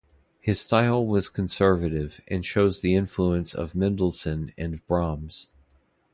His style was conservative, and shows the influence of Mendelssohn and Brahms.